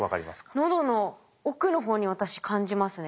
喉の奥の方に私感じますね。